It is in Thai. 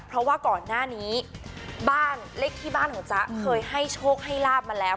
เพราะว่าก่อนหน้านี้บ้านเลขที่บ้านของจ๊ะเคยให้โชคให้ลาบมาแล้ว